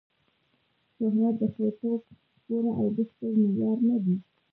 شهرت د ښه توب پوره او بشپړ معیار نه دی.